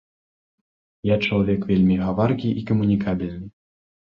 Я чалавек вельмі гаваркі і камунікабельны.